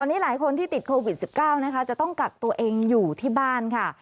ตอนนี้หลายคนที่ติดโควิด๑๙นะคะจะต้องกักตัวเองอยู่ที่บ้านค่ะ